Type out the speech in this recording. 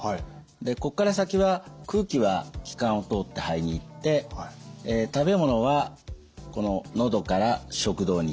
でここから先は空気は気管を通って肺に行って食べ物はこの喉から食道に行きます。